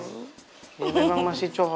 ini emang masih cocok lah